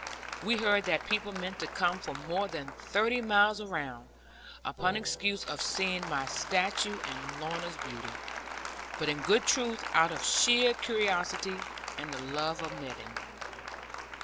We heard that people meant to come from more than thirty miles around, upon excuse of seeing my stature and Lorna's beauty; but in good truth out of sheer curiosity, and the love of meddling.